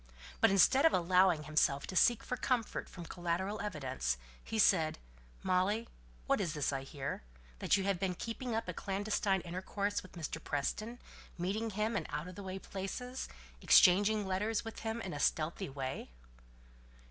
But instead of allowing himself to seek for comfort from collateral evidence, he said, "Molly, what is this I hear? That you have been keeping up a clandestine intercourse with Mr. Preston meeting him in out of the way places; exchanging letters with him in a stealthy way?"